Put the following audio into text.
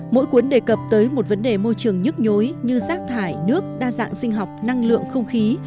mỗi cuốn đề cập tới một vấn đề môi trường nhức nhối như rác thải nước đa dạng sinh học năng lượng không khí